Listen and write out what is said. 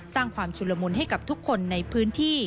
สร้างความชุลมนต์ให้กับทุกคนในพืช